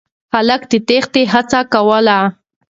هلک د تېښتې هڅه کوله.